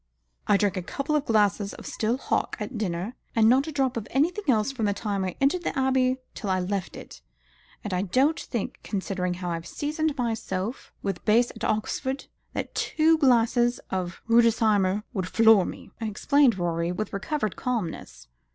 "I drank a couple of glasses of still hock at dinner, and not a drop of anything else from the time I entered the Abbey till I left it; and I don't think, considering how I've seasoned myself with Bass at Oxford, that two glasses of Rudesheimer would floor me," explained Rorie, with recovered calmness.